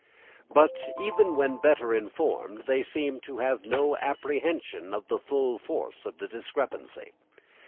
But even when better informed they seem to have no apprehension of the full force of the discrepancy.